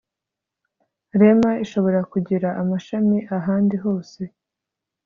Rema ishobora kugira amashami ahandi hose